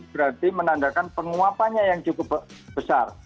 berarti menandakan penguapannya yang cukup besar